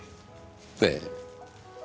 ええ。